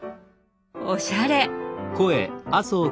おしゃれ！